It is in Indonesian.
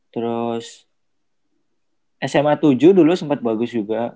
terus sma tujuh dulu sempat bagus juga